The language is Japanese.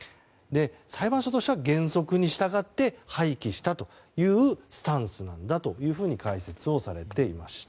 裁判所としては原則に従って廃棄したというスタンスなんだというふうに解説をされていました。